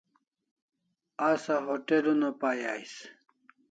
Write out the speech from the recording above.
Asa hotel una pai ais